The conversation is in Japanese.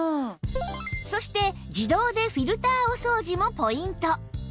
そして自動でフィルターお掃除もポイント